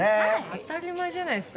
当たり前じゃないですか。